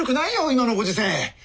今のご時世。